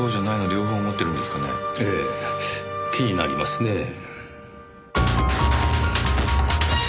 ええ気になりますねぇ。